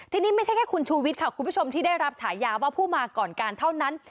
ทีนี้ไม่ใช่แค่คุณชูวิทย์ค่ะคุณผู้ชมที่ได้รับฉายาว่าผู้มาก่อนการเท่านั้น